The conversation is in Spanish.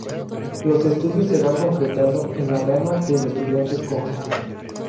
Los estudios se van concentrando en la rama que el estudiante escoja.